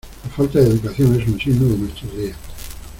La falta de educación es un signo de nuestros días.